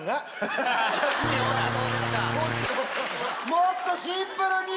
もっとシンプルに！